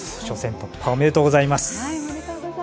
突破おめでとうございます。